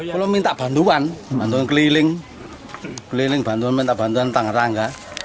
kalau minta bantuan bantuan keliling keliling bantuan minta bantuan tangga